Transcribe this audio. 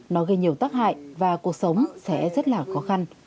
nó gây nhiều tác hại và cuộc sống sẽ rất là khó khăn